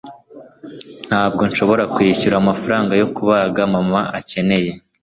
ntabwo nshobora kwishyura amafaranga yo kubaga mama akeneye